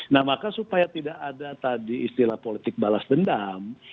nah maka supaya tidak ada tadi istilah politik balas dendam